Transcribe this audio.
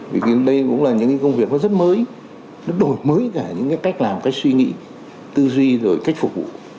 vì đây cũng là những cái công việc nó rất mới nó đổi mới cả những cái cách làm cách suy nghĩ tư duy rồi cách phục vụ